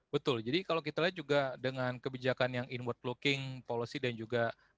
betul jadi kalau kita lihat juga dengan kebijakan yang inward looking policy dan juga